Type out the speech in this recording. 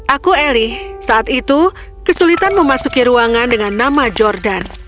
aku eli saat itu kesulitan memasuki ruangan dengan nama jordan